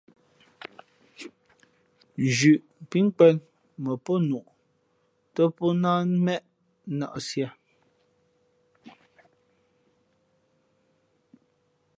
Nzhuʼ pí nkwēn mα pó nuʼ tά pó náh nnéʼ nᾱʼsīē.